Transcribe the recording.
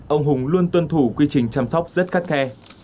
ông hùng luôn tuân thủ quy trình chăm sóc rất khắt khe